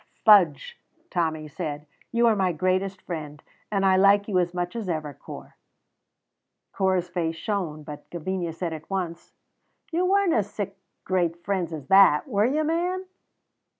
"Fudge!" Tommy said. "You were my greatest friend, and I like you as much as ever, Corp." Corp's face shone, but Gavinia said at once, "You werena sic great friends as that; were you, man?"